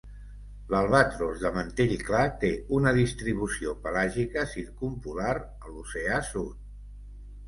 L'albatros de mantell clar té una distribució pelàgica circumpolar a l'oceà sud.